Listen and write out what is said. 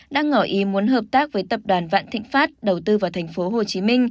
đang ngỏ ý muốn hợp tác với tập đoàn vạn thịnh pháp đầu tư vào tp hcm